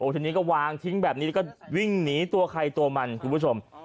ทีนี้ก็วางทิ้งแบบนี้แล้วก็วิ่งหนีตัวใครตัวมันคุณผู้ชม